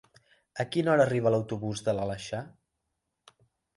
A quina hora arriba l'autobús de l'Aleixar?